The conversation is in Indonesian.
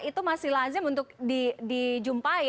itu masih lazim untuk dijumpai